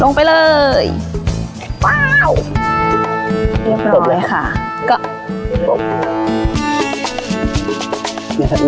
ลงไปเลยเรียบร้อยค่ะ